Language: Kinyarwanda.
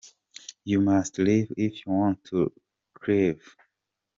You must Leave if you want to Cleave.